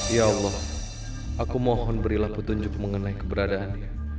ya allah aku mohon berilah petunjuk mengenai keberadaannya